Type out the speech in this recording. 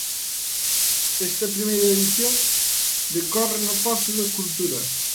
Esta primeira edición decorre no Pazo da Cultura.